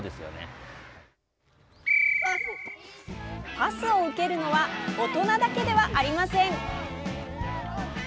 パスを受けるのは大人だけではありません。